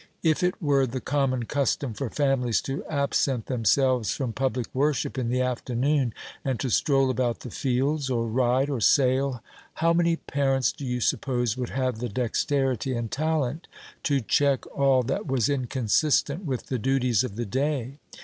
If it were the common custom for families to absent themselves from public worship in the afternoon, and to stroll about the fields, or ride, or sail, how many parents, do you suppose, would have the dexterity and talent to check all that was inconsistent with the duties of the day?